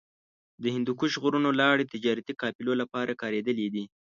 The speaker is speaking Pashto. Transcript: د هندوکش غرونو لارې د تجارتي قافلو لپاره کارېدلې دي.